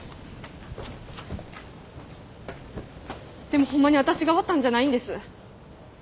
でもほんまに私が割ったんじゃないんです。